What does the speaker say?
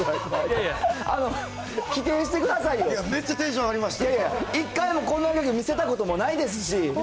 いやいや、一回もこんなギャグ、見せたこともないですし。